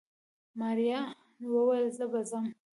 ماريا وويل زه به ځم.